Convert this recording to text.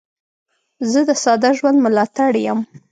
زه د ساده ژوند ملاتړی یم.